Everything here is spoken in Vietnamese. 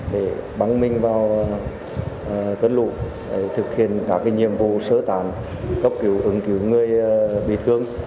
để bắn minh vào cơn lụ thực hiện cả cái nhiệm vụ sơ tàn cấp cứu ứng cứu người bị thương